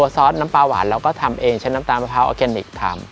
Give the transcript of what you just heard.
ซอสน้ำปลาหวานทำเองใช้น้ำตาลมะพราะอออร์เกเน็คทำ